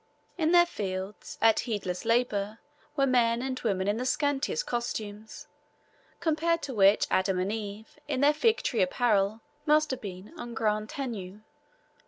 In their fields, at heedless labor, were men and women in the scantiest costumes, compared to which Adam and Eve, in their fig tree apparel, must have been en grande tenue.